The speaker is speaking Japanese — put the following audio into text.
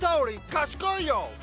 賢いよお！